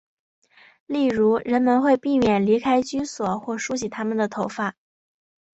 例如人们会避免离开居所或梳洗他们的头发。